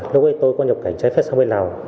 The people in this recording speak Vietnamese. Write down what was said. lúc ấy tôi có nhập cảnh trái phép sang bên lào